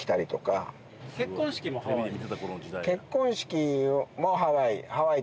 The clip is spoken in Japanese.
結婚式もハワイ。